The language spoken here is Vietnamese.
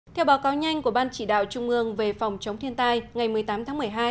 theo báo cáo nhanh của ban chỉ đạo trung ương về phòng chống thiên tai ngày một mươi tám tháng một mươi hai